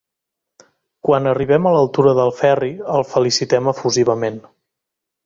Quan arribem a l'altura del Ferri el felicitem efusivament.